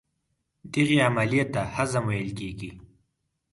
دغې عملیې ته هضم ویل کېږي.